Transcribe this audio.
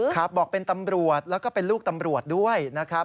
ครับบอกเป็นตำรวจแล้วก็เป็นลูกตำรวจด้วยนะครับ